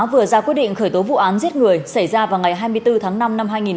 vừa ra quyết định khởi tố vụ án giết người xảy ra vào ngày hai mươi bốn tháng năm năm hai nghìn hai mươi ba